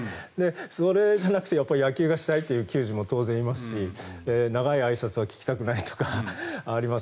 それじゃなくて野球がしたいという球児も当然いますし長いあいさつは聞きたくないとかあります。